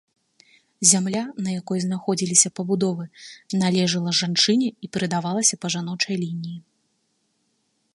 Зямля, на якой знаходзіліся пабудовы, належыла жанчыне і перадавалася па жаночай лініі.